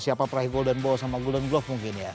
siapa perahi golden ball sama golden glove mungkin ya